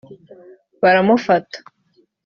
baramufata